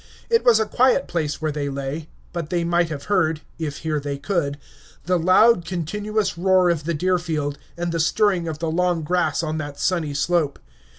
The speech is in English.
It was a quiet place where they lay, but they might have heard if hear they could the loud, continuous roar of the Deerfield, and the stirring of the long grass on that sunny slope.